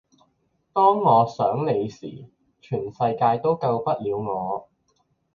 當我想你時，全世界都救不了我